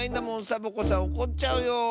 サボ子さんおこっちゃうよ。